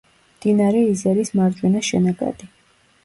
მდინარე იზერის მარჯვენა შენაკადი.